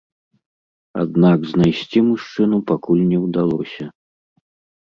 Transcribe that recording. Аднак знайсці мужчыну пакуль не ўдалося.